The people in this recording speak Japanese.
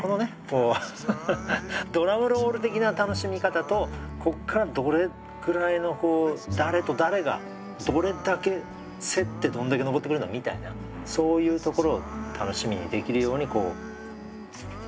こうドラムロール的な楽しみ方とこっからどれぐらいのこう誰と誰がどれだけ競ってどんだけ上ってくるみたいなそういうところを楽しみにできるようにこう。